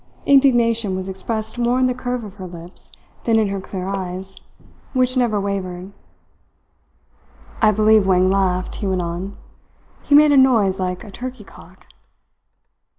Indignation was expressed more in the curve of her lips than in her clear eyes, which never wavered. "I believe Wang laughed," he went on. "He made a noise like a turkey cock."